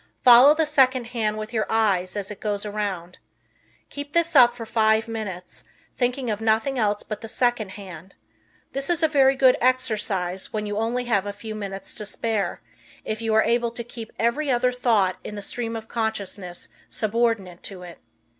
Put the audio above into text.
Follow the second hand with your eyes as it goes around. Keep this up for five minutes, thinking of nothing else but the second hand, This is a very good exercise when you only have a few minutes to spare, if you are able to keep every other thought in the stream of consciousness subordinate to it.